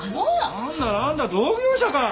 なんだなんだ同業者か。